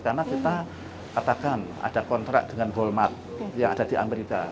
karena kita katakan ada kontrak dengan walmart yang ada di amerika